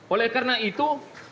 oleh karena itu